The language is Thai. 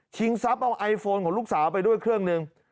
ทรัพย์เอาไอโฟนของลูกสาวไปด้วยเครื่องหนึ่ง